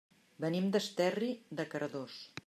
Venim d'Esterri de Cardós.